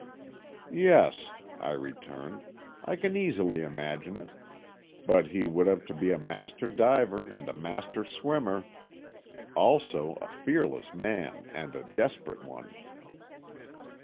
"Yes," I returned, "I can easily imagine it. But he would have to be a master diver and a master swimmer. Also, a fearless man and a desperate one."